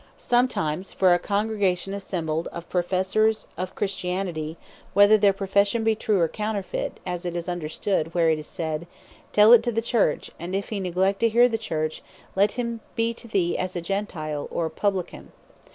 Sometimes, for a Congregation assembled, of professors of Christianity, whether their profession be true, or counterfeit, as it is understood, Mat. 18.17. where it is said, "Tell it to the Church, and if hee neglect to hear the Church, let him be to thee as a Gentile, or Publican."